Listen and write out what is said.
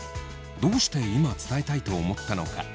どうして今伝えたいと思ったのか。